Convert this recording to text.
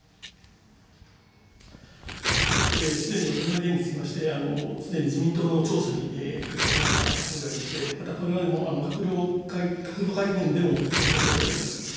すでにお尋ねの件につきまして、すでに自民党の調査に回答しましたとおりでありまして、またこれまでも閣僚会見でも説明しているとおりであります。